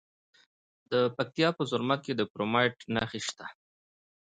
د پکتیا په زرمت کې د کرومایټ نښې شته.